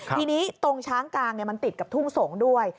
ทีนี้ตรงช้างกลางมันติดกับทุ่งสงฆ์ด้วย